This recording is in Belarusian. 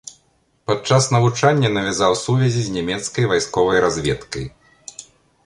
Падчас навучання навязаў сувязі з нямецкай вайсковай разведкай.